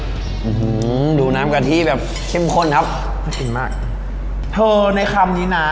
อืมดูน้ำกะทิแบบเข้มข้นครับน่าชิมมากเธอในคำนี้น่ะ